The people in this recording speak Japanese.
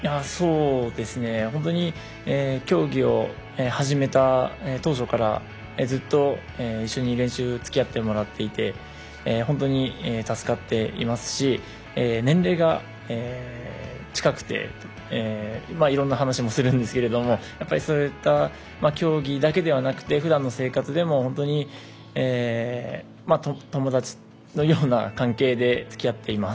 本当に競技を始めた当初からずっと一緒に練習つき合ってもらっていて本当に助かっていますし年齢が近くて、いろんな話もするんですけれどもそういった競技だけではなくてふだんの生活でも友達のような関係でつき合っています。